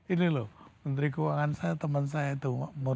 ini loh menteri keuangan saya teman saya itu